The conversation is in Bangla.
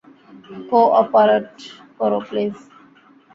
কো-অপারেট করো প্লিজ।